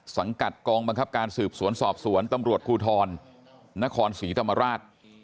สังกัดกองบังคับการสืบสวนสอบสวนตำรวจภูทรนครศรีธรรมราช